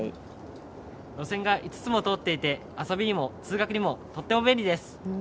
路線が５つも通っていて遊びにも通学にもとっても便利です。